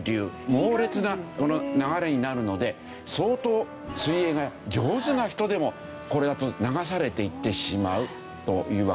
猛烈な流れになるので相当水泳が上手な人でもこれだと流されていってしまうというわけで。